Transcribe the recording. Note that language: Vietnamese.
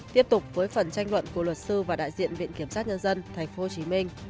tiếp tục với phần tranh luận của luật sư và đại diện viện kiểm sát nhân dân tp hcm